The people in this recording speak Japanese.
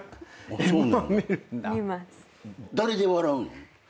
誰で笑うの？